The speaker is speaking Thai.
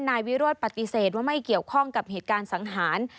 นายวิโรธปฏิเสธว่าไม่เกี่ยวข้องกับเหตุการณ์สังหาร